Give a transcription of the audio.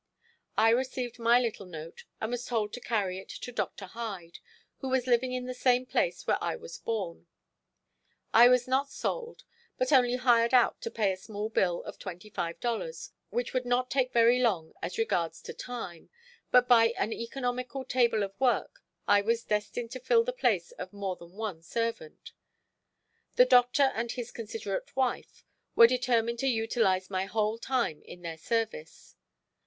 I received my little note and was told to carry it to Dr. Hyde, who was living in the same place where I was born. I was not sold, but only hired out to pay a small bill of $25 which would not take very long as regards to time, but by an economical table of work I was destined to fill the place of more than one servant. The Doctor and his considerate wife were determined to utilize my whole time in their service.